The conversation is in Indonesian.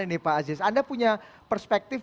ini pak aziz anda punya perspektif